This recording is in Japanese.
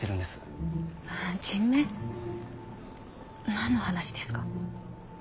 何の話ですか？